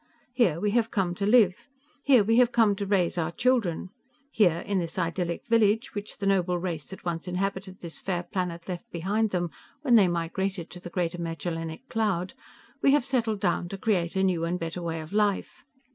Here we have come to live. Here we have come to raise our children. Here, in this idyllic village, which the noble race that once inhabited this fair planet left behind them when they migrated to the Greater Magellanic Cloud, we have settled down to create a new and better Way of Life.